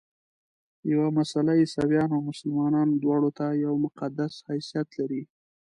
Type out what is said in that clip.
یوه مسله عیسویانو او مسلمانانو دواړو ته یو مقدس حیثیت لري.